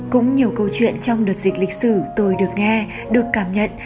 cũng nhiều câu chuyện trong đợt dịch lịch sử tôi được nghe được cảm nhận